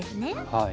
はい。